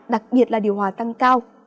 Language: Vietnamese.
đặc biệt là điều hòa tăng cao